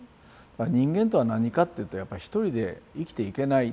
人間とは何かっていうとやっぱり一人で生きていけないっていうこと。